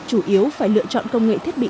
chủ yếu phải lựa chọn công nghệ thiết bị